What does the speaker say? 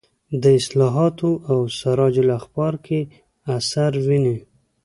د اصلاحاتو او سراج الاخبار کې اثر ویني.